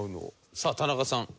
さあ田中さん。